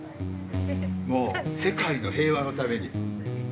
もう世界の平和のために。